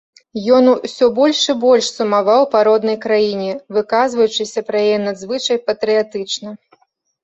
Ён усё больш і больш сумаваў па роднай краіне, выказваючыся пра яе надзвычай патрыятычна.